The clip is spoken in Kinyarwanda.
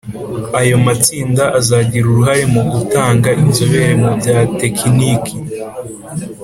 Ayo matsinda azagira uruhare mu gutanga inzobere mu bya tekiniki